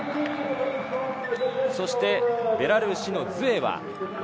そしてベラルーシのズエワ。